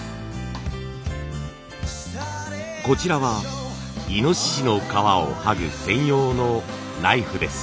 こちらはイノシシの皮を剥ぐ専用のナイフです。